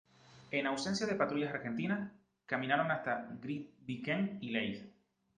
En ausencia de patrullas argentinas, caminaron hasta Grytviken y Leith.